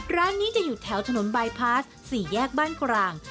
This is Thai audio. ร้านนี้จะอยู่แถวถนนบายพาส๔แยกบ้านกลาง